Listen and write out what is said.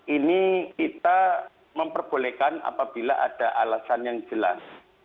ini kita memperbolehkan apabila ada alasan yang jelas